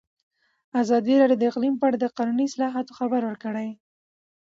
ازادي راډیو د اقلیم په اړه د قانوني اصلاحاتو خبر ورکړی.